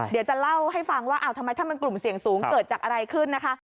เดี๋ยวจะเล่าให้ฟังว่าทำไมถ้ามันกลุ่มเสี่ยงสูงเกิดจากอะไรขึ้นนะคะ